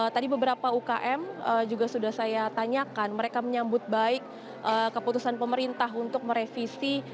tadi beberapa ukm juga sudah saya tanyakan mereka menyambut baik keputusan pemerintah untuk merevisi